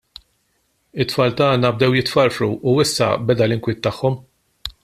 It-tfal tagħna bdew jitfarfru u issa beda l-inkwiet tagħhom.